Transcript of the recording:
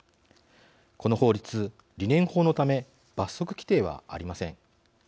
この法律、理念法のため罰則規定はありません。